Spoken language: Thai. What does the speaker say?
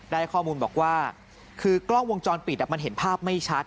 ได้ข้อมูลบอกว่าคือกล้องวงจรปิดมันเห็นภาพไม่ชัด